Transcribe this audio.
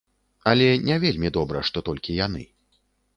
Але не вельмі добра, што толькі яны.